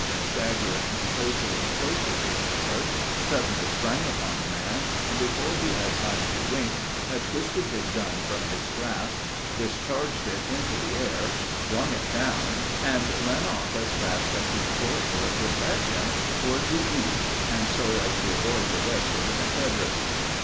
Rose, who had slyly been staggering closer and closer to the guard, suddenly sprang upon the man, and before he had time to wink had twisted his gun from his grasp, discharged it into the air, flung it down, and ran off as fast as his poor foot would let him toward the east and so as to avoid the rest of the Confederates.